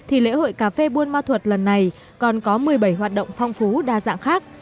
trong lễ hội cà phê buôn ma thuật có một mươi bảy hoạt động phong phú đa dạng khác